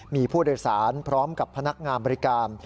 มีผู้โดยสารพร้อมกับพนักงานบริการ